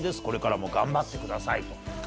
これからも頑張ってくださいと。